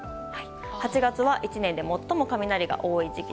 ８月は１年で最も雷が多い時期。